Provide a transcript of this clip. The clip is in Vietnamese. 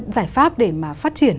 giải pháp để phát triển